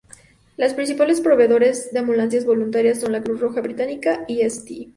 Los principales proveedores de ambulancias voluntarias son la Cruz Roja Británica y St.